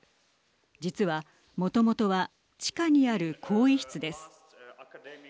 実は、もともとは地下にある更衣室です。